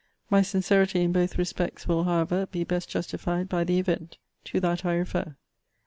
My sincerity in both respects will, however, be best justified by the event. To that I refer.